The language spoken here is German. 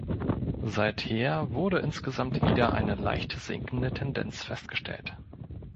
Seither wurde insgesamt wieder eine leicht sinkende Tendenz festgestellt.